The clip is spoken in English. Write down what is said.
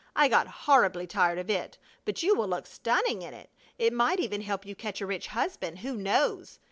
I got horribly tired of it, but you will look stunning in it. It might even help you catch a rich husband; who knows!